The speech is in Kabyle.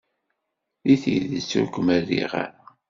Deg tidet, ur kem-riɣ ara.